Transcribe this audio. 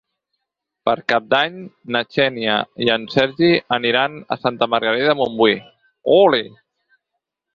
Per Cap d'Any na Xènia i en Sergi aniran a Santa Margarida de Montbui.